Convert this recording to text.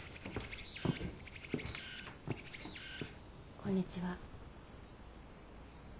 こんにちは。